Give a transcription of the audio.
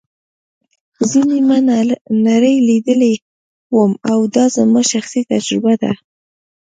زه نیمه نړۍ لیدلې وم او دا زما شخصي تجربه ده.